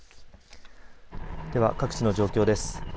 では各地の状況です。